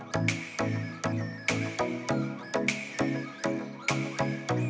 selain terkenal karena penjualan buku bekas